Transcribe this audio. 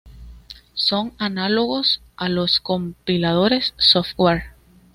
Son análogos a los compiladores software.